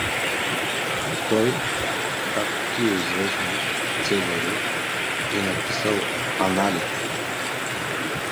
Той, както ти е известно, цезарю, е написал Аналите.